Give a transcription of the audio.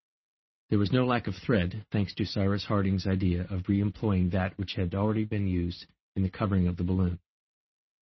There was no lack of thread, thanks to Cyrus Harding's idea of re employing that which had been already used in the covering of the balloon.